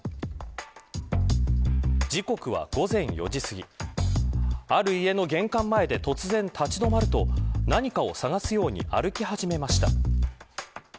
時刻は午前４時すぎある家の玄関前で突然立ち止まると何かを探すように歩き始めました。